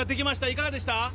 いかがでした？